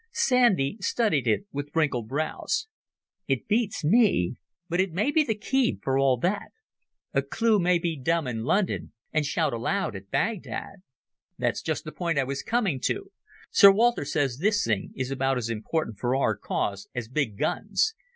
Sandy studied it with wrinkled brows. "It beats me. But it may be the key for all that. A clue may be dumb in London and shout aloud at Baghdad." "That's just the point I was coming to. Sir Walter says this thing is about as important for our cause as big guns.